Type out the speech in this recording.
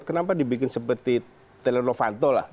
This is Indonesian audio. kenapa dibikin seperti telenovanto lah